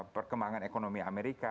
perkembangan ekonomi amerika